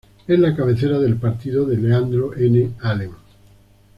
Es la cabecera del partido de Leandro N. Alem.